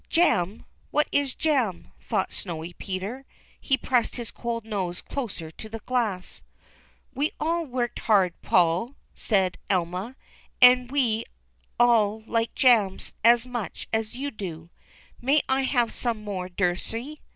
"Jam! what is jam?" thought Snowy Peter. He pressed his cold nose closer to the glass. "We all Avorked hard, Paul," said Elma, "and avo all like jam as much as you do. May I have some more, Nursey?"